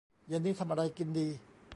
เย็นนี้ทำอะไรกินดี